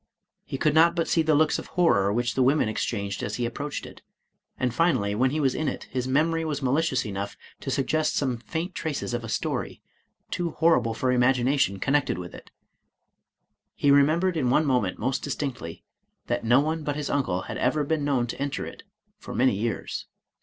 He could not but see the looks of horror which the women exchanged as he approached it. And, finally, when he was in it, his memory was malicious enough to suggest some faint traces of a story, too horrible for imagination, connected with it. He remembered in one mo ment most distinctly, that no one but his uncle had ever been known to enter it for many years.